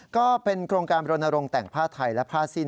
ก็เป็นโครงการบรณรงค์แต่งผ้าไทยและผ้าสิ้น